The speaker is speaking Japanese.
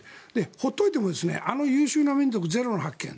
ほっといてもあの優秀な民族ゼロの発見。